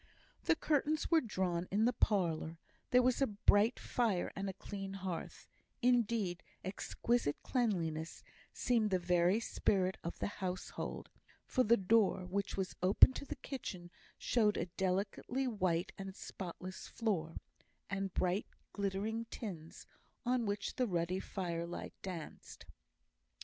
The curtains were drawn in the parlour; there was a bright fire and a clean hearth; indeed, exquisite cleanliness seemed the very spirit of the household, for the door which was open to the kitchen showed a delicately white and spotless floor, and bright glittering tins, on which the ruddy firelight danced.